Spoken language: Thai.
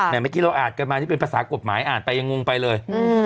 เมื่อกี้เราอ่านกันมานี่เป็นภาษากฎหมายอ่านไปยังงงไปเลย